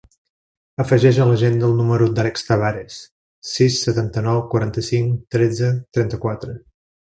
Afegeix a l'agenda el número de l'Àlex Tabares: sis, setanta-nou, quaranta-cinc, tretze, trenta-quatre.